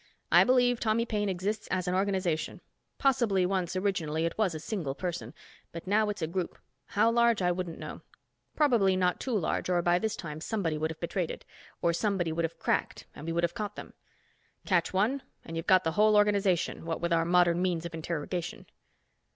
"I believe Tommy Paine exists as an organization. Possibly once, originally, it was a single person, but now it's a group. How large, I wouldn't know. Probably not too large or by this time somebody would have betrayed it, or somebody would have cracked and we would have caught them. Catch one and you've got the whole organization what with our modern means of interrogation."